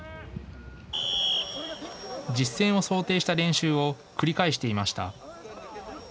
実戦を想定した練習を繰り返していました。